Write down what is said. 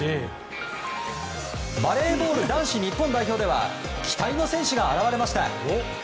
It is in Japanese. バレーボール男子日本代表では期待の選手が現れました。